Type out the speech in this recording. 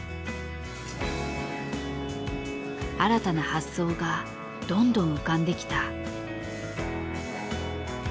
新たな発想がどんどん浮かんできた。